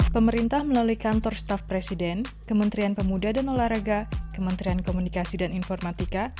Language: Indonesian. pemerintah melalui kantor staf presiden kementerian pemuda dan olahraga kementerian komunikasi dan informatika